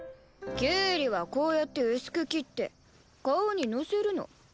キュウリはこうやって薄く切って顔にのせるの。